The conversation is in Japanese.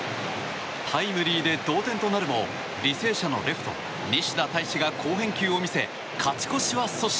タイムリーで同点となるも履正社のレフト、西田大志が好返球を見せ、勝ち越しは阻止。